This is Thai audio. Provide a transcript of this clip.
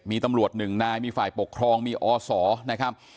มีตำรวจหนึ่งนายมีฝ่ายปกครองมีอศนะครับ